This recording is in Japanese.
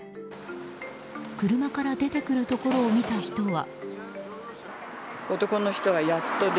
車から出てくるところを見た人は。